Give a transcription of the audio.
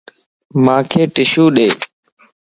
مانک ٽشو ڏي